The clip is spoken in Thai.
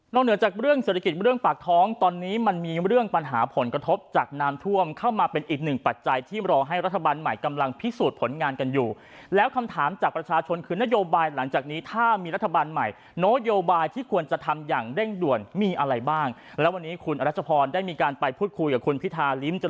เหนือจากเรื่องเศรษฐกิจเรื่องปากท้องตอนนี้มันมีเรื่องปัญหาผลกระทบจากน้ำท่วมเข้ามาเป็นอีกหนึ่งปัจจัยที่รอให้รัฐบาลใหม่กำลังพิสูจน์ผลงานกันอยู่แล้วคำถามจากประชาชนคือนโยบายหลังจากนี้ถ้ามีรัฐบาลใหม่นโยบายที่ควรจะทำอย่างเร่งด่วนมีอะไรบ้างแล้ววันนี้คุณรัชพรได้มีการไปพูดคุยกับคุณพิธาริมจ